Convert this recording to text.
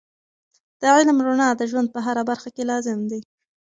د علم رڼا د ژوند په هره برخه کې لازم دی.